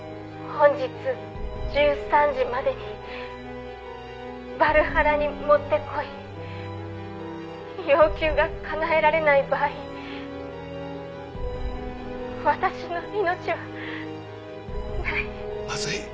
「本日１３時までにヴァルハラに持ってこい」「要求がかなえられない場合私の命はない」まずい！